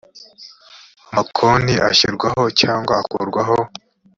y amakonti ashyirwaho cyangwa akurwaho